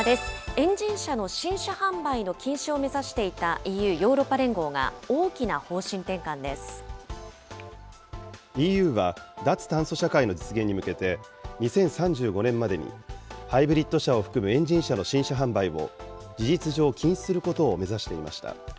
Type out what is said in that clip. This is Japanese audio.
エンジン車の新車販売の禁止を目指していたＥＵ・ヨーロッパ連合ＥＵは脱炭素社会の実現に向けて、２０３５年までにハイブリッド車を含むエンジン車の新車販売を事実上禁止することを目指していました。